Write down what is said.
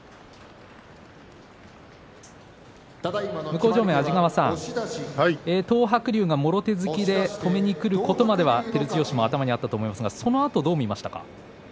向正面安治川さん、東白龍がもろ手突きで止めに来るところまでは照強、頭にあったと思うんですがそのあと、どう見ましたか。